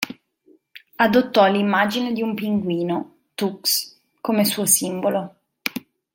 Adottò l'immagine di un pinguino, Tux, come suo simbolo.